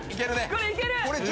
これいける！